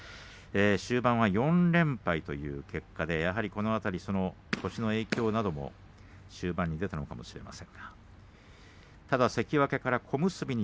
終盤は４連敗ということでやはり腰の影響なども終盤に出たのかもしれません。